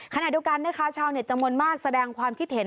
ขณะเดียวกันนะคะชาวเน็ตจำนวนมากแสดงความคิดเห็น